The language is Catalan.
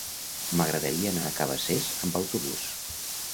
M'agradaria anar a Cabacés amb autobús.